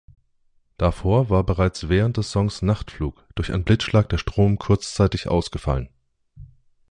Davor war bereits während des Songs "Nachtflug" durch einen Blitzschlag der Strom kurzzeitig ausgefallen.